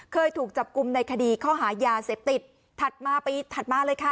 เคยถูกจับกลุ่มในคดีข้อหายาเสพติดถัดมาปีถัดมาเลยค่ะ